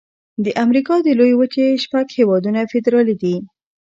د امریکا د لویې وچې شپږ هيوادونه فدرالي دي.